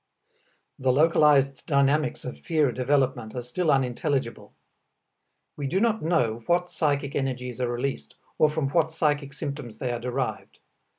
The localized dynamics of fear development are still unintelligible; we do not know what psychic energies are released or from what psychic systems they are derived.